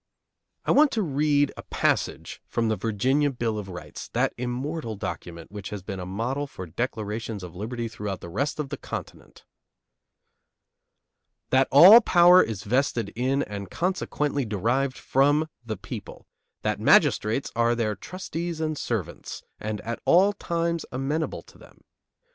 I want you to read a passage from the Virginia Bill of Rights, that immortal document which has been a model for declarations of liberty throughout the rest of the continent: That all power is vested in, and consequently derived from, the people; that magistrates are their trustees and servants, and at all times amenable to them.